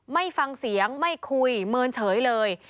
ไม่ฟังเสียงไม่คุยเมินเฉยเลย